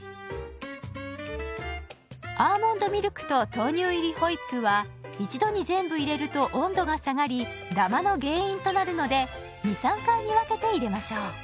アーモンドミルクと豆乳入りホイップは一度に全部入れると温度が下がりダマの原因となるので２３回に分けて入れましょう。